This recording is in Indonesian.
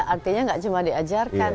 artinya gak cuma diajarkan